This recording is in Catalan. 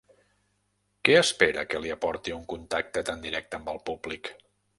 Què espera que li aporti un contacte tan directe amb el públic?